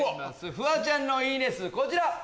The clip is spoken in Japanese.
フワちゃんのいいね数こちら。